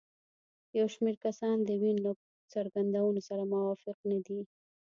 یو شمېر کسان د وین له څرګندونو سره موافق نه دي.